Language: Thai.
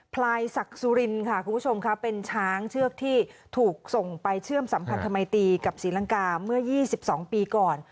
พลายศักดิ์สุรินค่ะคุณผู้ชมค่ะเป็นช้างเชือกที่ถูกส่งไปเชื่อมสัมพันธมัยตีกับศรีลังกาเมื่อ๒๒ปีก่อน